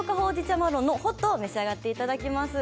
マロンのホットを召し上がっていただきます。